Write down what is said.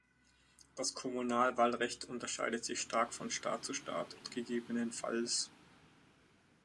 Das Kommunalwahlrecht unterscheidet sich stark von Staat zu Staat und ggf.